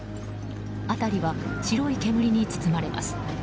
辺りは白い煙に包まれます。